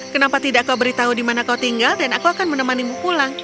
kenapa tidak kau beritahu di mana kau tinggal dan aku akan menemanimu pulang